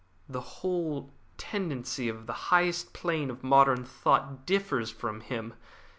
The whole tendency of the highest plane of modern thought differs from him.